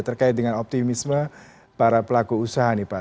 terkait dengan optimisme para pelaku usaha nih pak